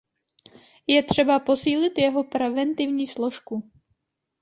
Je třeba posílit jeho preventivní složku.